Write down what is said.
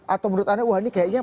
atau menurut anda wah ini kayaknya